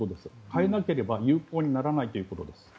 変えなければ有効にならないということです。